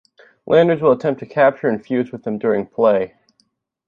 Landers will attempt to capture and fuse with them during play.